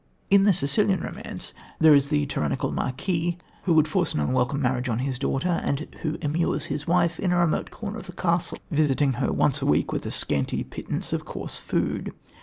In the Sicilian Romance there is the tyrannical marquis who would force an unwelcome marriage on his daughter and who immures his wife in a remote corner of the castle, visiting her once a week with a scanty pittance of coarse food.